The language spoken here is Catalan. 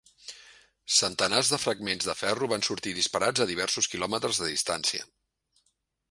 Centenars de fragments de ferro van sortir disparats a diversos quilòmetres de distància.